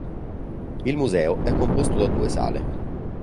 Il museo è composto da due sale.